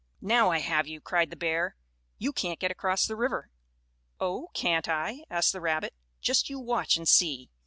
"Now I have you!" cried the bear. "You can't get across the river." "Oh, can't I?" asked the rabbit. "Just you watch and see!"